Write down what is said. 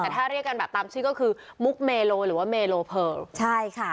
แต่ถ้าเรียกกันแบบตามชื่อก็คือมุกเมโลหรือว่าเมโลเพอร์ใช่ค่ะ